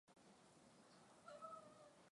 Wanyama wapewe dawa za kuuwa minyoo kwa wakati